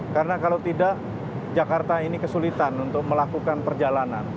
karena kalau tidak jakarta ini kesulitan untuk melakukan perjalanan